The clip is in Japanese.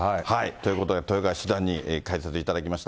ということで豊川七段に解説いただきました。